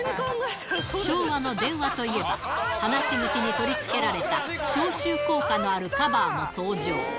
昭和の電話といえば、話し口に取り付けられた消臭効果のあるカバーも登場。